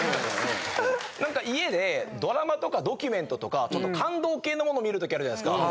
何か家でドラマとかドキュメントとかちょっと感動系のもの見る時あるじゃないですか。